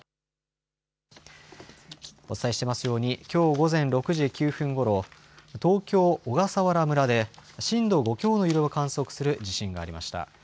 お伝えしていますように、きょう午前６時９分ごろ、東京・小笠原村で、震度５強の揺れを観測する地震がありました。